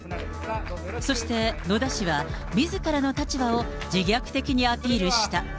そして野田氏はみずからの立場を自虐的にアピールした。